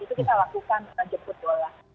itu kita lakukan dengan jeput borat